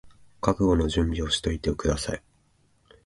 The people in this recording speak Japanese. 覚悟の準備をしておいてください